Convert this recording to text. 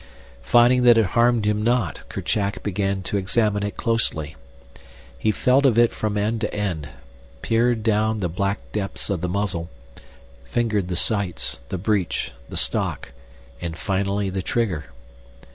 Finding that it harmed him not, Kerchak began to examine it closely. He felt of it from end to end, peered down the black depths of the muzzle, fingered the sights, the breech, the stock, and finally the trigger.